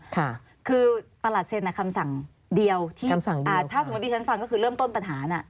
ค่ะคือประหลาดเซนอ่ะคำสั่งเดียวคำสั่งเดียวค่ะถ้าสมมติฉันฟังก็คือเริ่มต้นประธานอ่ะ